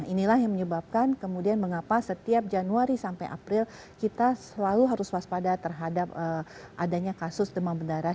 inilah yang menyebabkan kemudian mengapa setiap januari sampai april kita selalu harus waspada terhadap adanya kasus demam berdarah